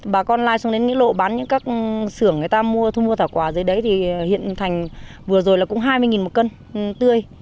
bà con lai xuống đến những lộ bán những các xưởng người ta mua thu mua thảo quả dưới đấy thì hiện thành vừa rồi là cũng hai mươi một cân tươi